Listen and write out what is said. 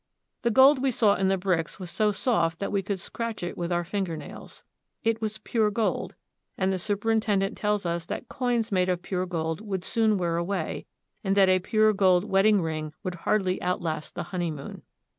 The gold we saw in the bricks was so soft that we could scratch it with our finger nails. It was pure gold, and the superintendent tells us that coins made of pure gold would soon wear away, and that a pure gold wedding ring would hardly outlast the honeymoon.